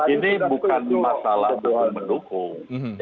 ini bukan masalah bukan mendukung